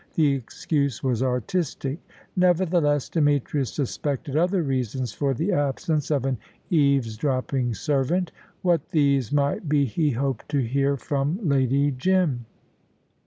The excuse was artistic. Nevertheless, Demetrius suspected other reasons for the absence of an eavesdropping servant. What these might be he hoped to hear from Lady Jim.